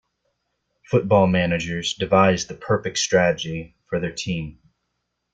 Football managers devise the perfect strategy for their team.